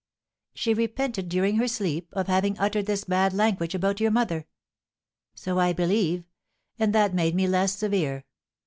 "She repented, during her sleep, of having uttered this bad language about your mother." "So I believe; and that made me less severe.